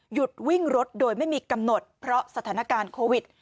หยุดวิ่งรถโดยไม่มีกำหนดเพราะสถานการณ์โควิด